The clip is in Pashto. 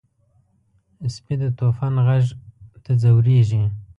سپي د طوفان غږ ته ځورېږي.